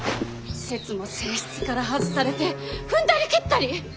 せつも正室から外されて踏んだり蹴ったり！